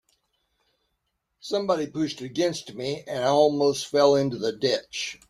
Somebody pushed against me, and I almost fell into the ditch.